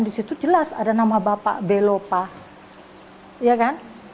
di situ jelas ada nama bapak belopa ya kan